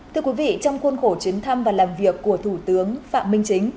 thưa quý vị trong khuôn khổ chuyến thăm và làm việc của thủ tướng phạm minh chính